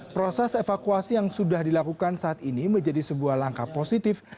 proses evakuasi yang sudah dilakukan saat ini menjadi sebuah langkah positif